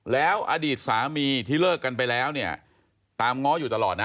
แล้วอดีตสามีที่เลิกกันไปแล้วเนี่ยตามง้ออยู่ตลอดนะ